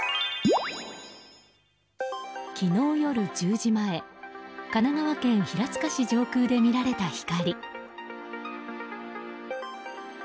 昨日夜１０時前神奈川県平塚市上空で見られた光。